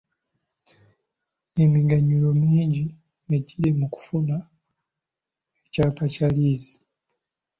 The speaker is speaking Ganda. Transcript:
Emiganyulo mingi egiri mu kufuna ekyapa kya liizi.